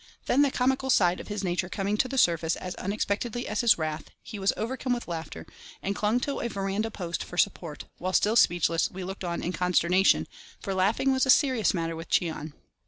Then, the comical side of his nature coming to the surface as unexpectedly as his wrath, he was overcome with laughter, and clung to a verandah post for support, while still speechless, we looked on in consternation, for laughing was a serious matter with Cheon.